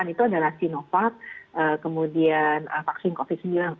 yang digunakan itu adalah sinovac kemudian vaksin covid sembilan belas yang buatan bio farmas